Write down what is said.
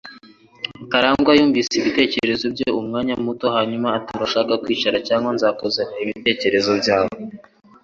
Karangwa yamusigiye ibitekerezo bye umwanya muto, hanyuma ati: "Urashaka kwicara cyangwa nzakuzanira ibiryo byawe."